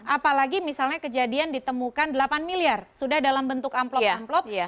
apalagi misalnya kejadian ditemukan delapan miliar sudah dalam bentuk amplop amplop